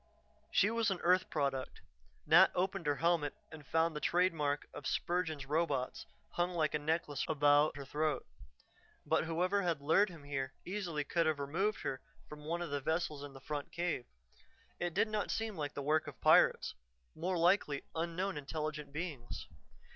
She was an earth product; Nat opened her helmet and found the trade mark of Spurgin's Robots hung like a necklace about her throat. But whoever had lured him here easily could have removed her from one of the vessels in the front cave. It did not seem like the work of pirates, more likely unknown intelligent beings.